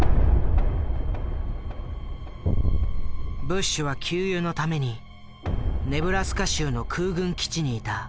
ブッシュは給油のためにネブラスカ州の空軍基地にいた。